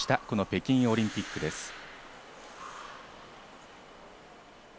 この北京オリンピックです。